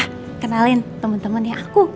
eh kenalin temen temennya aku